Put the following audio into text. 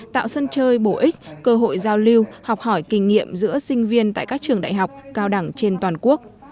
tạo sân chơi bổ ích cơ hội giao lưu học hỏi kinh nghiệm giữa sinh viên tại các trường đại học cao đẳng trên toàn quốc